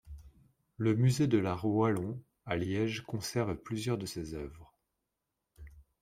La Musée de l'art wallon à Liège conserve plusieurs de ses œuvres.